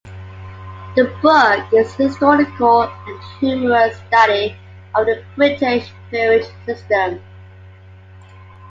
The book is a historical and humorous study of the British peerage system.